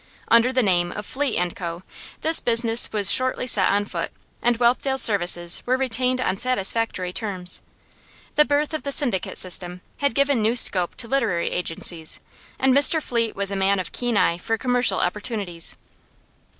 Under the name of Fleet & Co., this business was shortly set on foot, and Whelpdale's services were retained on satisfactory terms. The birth of the syndicate system had given new scope to literary agencies, and Mr Fleet was a man of keen eye for commercial opportunities.